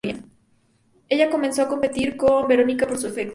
Ella comenzó a competir con Veronica por su afecto.